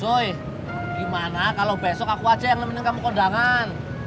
cuy gimana kalau besok aku aja yang nemenin kamu ke undangan